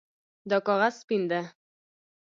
دا کاغذ سپین ده